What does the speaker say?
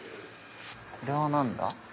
これは何だ？